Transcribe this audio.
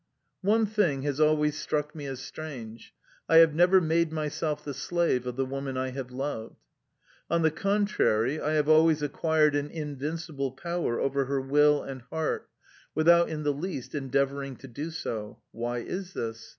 One thing has always struck me as strange. I have never made myself the slave of the woman I have loved. On the contrary, I have always acquired an invincible power over her will and heart, without in the least endeavouring to do so. Why is this?